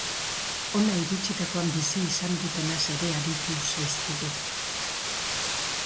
Hona iritsitakoan bizi izan dutenaz ere aritu zaizkigu.